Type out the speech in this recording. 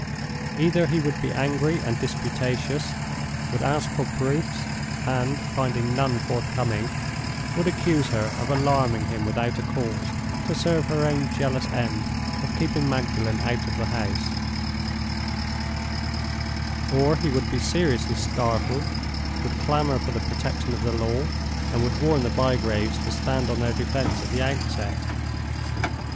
Either he would be angry and disputatious; would ask for proofs; and, finding none forthcoming, would accuse her of alarming him without a cause, to serve her own jealous end of keeping Magdalen out of the house; or he would be seriously startled, would clamor for the protection of the law, and would warn the Bygraves to stand on their defense at the outset.